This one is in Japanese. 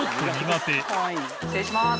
失礼します。